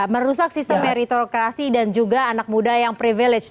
merusak sistem meritokrasi dan juga anak muda yang privilege